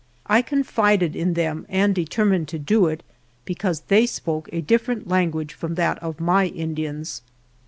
I confided in them and determined to do it because they spoke a different language from that of my In dians.